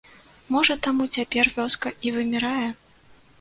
Можа таму цяпер вёска і вымірае?